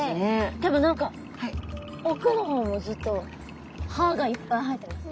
でも何か奥の方もずっと歯がいっぱい生えてますね。